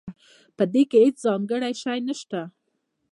پدې کې هیڅ ځانګړی شی نشته